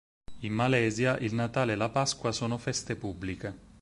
In Malaysia il Natale e la Pasqua sono feste pubbliche.